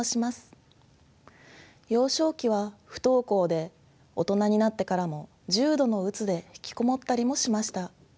幼少期は不登校で大人になってからも重度の鬱で引きこもったりもしました。